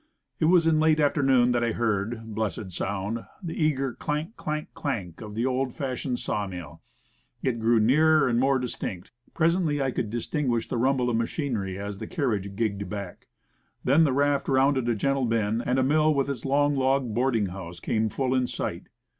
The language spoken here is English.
It was in late afternoon that I heard blessed sound the eager clank, clank, clank of the old fashioned sawmill. It grew nearer and more dis 128 Woodcraft. tinct; presently I could distinguish the rumble of machinery as the carriage gigged back; then the raft rounded a gentle bend, and a mill, with its long, log boarding house, came in full sight.